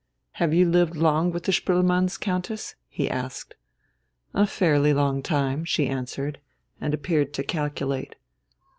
"Have you lived long with the Spoelmanns, Countess?" he asked. "A fairly long time," she answered, and appeared to calculate.